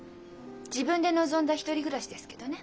自分で望んだ１人暮らしですけどね。